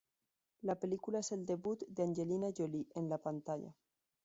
La película es el debut de Angelina Jolie en la pantalla.